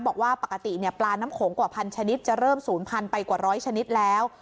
บอกว่าปกติปลาน้ำโขงกว่าพันชนิดจะเริ่มศูนย์พันไปกว่าร้อยชนิดแล้ว